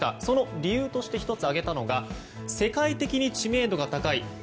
その理由として１つ挙げたのが世界的に知名度が高い